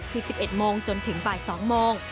คือ๑๑โมงจนถึงบ่าย๒โมง